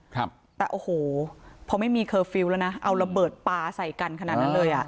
ครับแต่โอ้โหพอไม่มีเคอร์ฟิลล์แล้วนะเอาระเบิดปลาใส่กันขนาดนั้นเลยอ่ะ